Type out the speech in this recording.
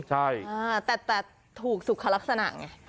ใช่แต่ถูกสุขลักษณะไง